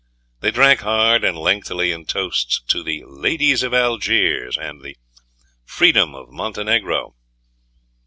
They drank hard and lengthily in toasts to "The ladies of Algiers" and "The freedom of Montenegro!"